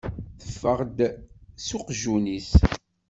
Teffeɣ s uqjun-is.